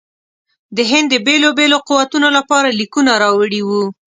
د هند د بېلو بېلو قوتونو لپاره لیکونه راوړي وه.